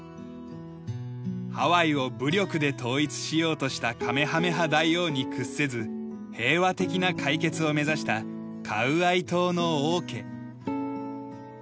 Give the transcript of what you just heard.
ハワイを武力で統一しようとしたカメハメハ大王に屈せず平和的な解決を目指したカウアイ島の王家。